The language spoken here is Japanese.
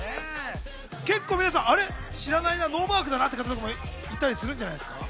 結構皆さん、知らないな、ノーマークだなって方とか、いたりするんじゃないですか？